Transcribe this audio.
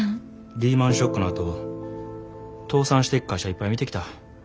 リーマンショックのあと倒産していく会社いっぱい見てきた。